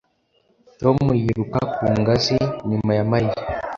Tom yiruka ku ngazi nyuma ya Mariya